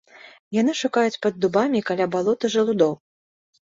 Яны шукаюць пад дубамі каля балота жалудоў.